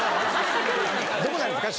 どこなんですか？